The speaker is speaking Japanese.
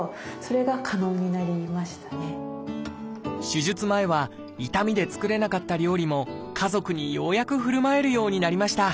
手術前は痛みで作れなかった料理も家族にようやくふるまえるようになりました。